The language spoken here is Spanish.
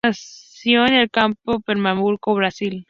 Nació en el campo en Pernambuco, Brasil.